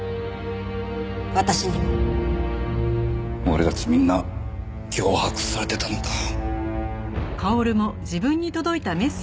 俺たちみんな脅迫されてたのか。